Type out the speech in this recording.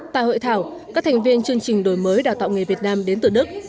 tại hội thảo các thành viên chương trình đổi mới đào tạo nghề việt nam đến từ đức